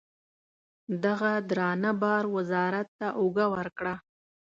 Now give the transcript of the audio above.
دغه درانه بار وزارت ته اوږه ورکړه.